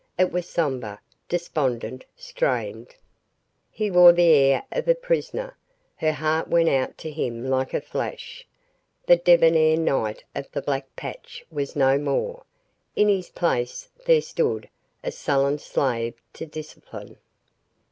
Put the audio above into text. It was somber, despondent, strained. He wore the air of a prisoner. Her heart went out to him like a flash. The debonair knight of the black patch was no more; in his place there stood a sullen slave to discipline.